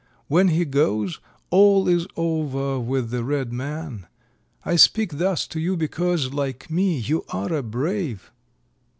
When he goes, all is over with the red man. I speak thus to you because, like me, you are a brave.